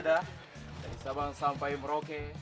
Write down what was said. dari sabang sampai merauke